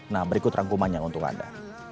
nah berikut rangkumannya untuk anda